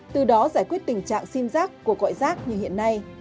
từ đó giải quyết tình trạng sim giác của cõi giác như hiện nay